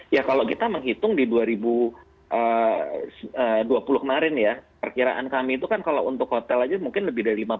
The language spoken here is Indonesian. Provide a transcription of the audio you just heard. ya kalau kita menghitung di dua ribu dua puluh kemarin ya perkiraan kami itu kan kalau untuk hotel aja mungkin lebih dari lima puluh